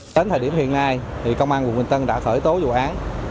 tới thời điểm hiện nay công an quận bình tân đã khởi tố dụ án